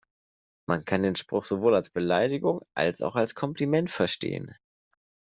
Man kann den Spruch sowohl als Beleidigung als auch als Kompliment verstehen.